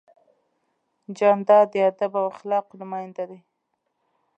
جانداد د ادب او اخلاقو نماینده دی.